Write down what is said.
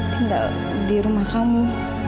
tinggal di rumah kamu